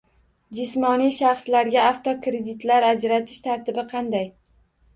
Jismoniy shaxslarga avtokreditlar ajratish tartibi qanday?